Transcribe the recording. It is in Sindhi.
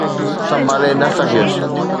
سنڀالي نه سگهيس